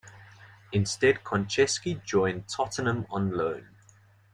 Instead Konchesky joined Tottenham on loan.